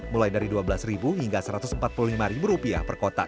mulai dari rp dua belas hingga rp satu ratus empat puluh lima per kotak